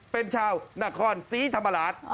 เป็นชาวนักคลอนศรีธรรมราช